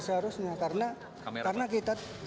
seharusnya nggak ada nggak ada seharusnya